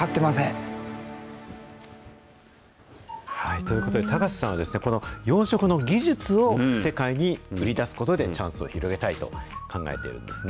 ということで、高瀬さんは、この養殖の技術を世界に売り出すことで、チャンスを広げたいと考えているんですね。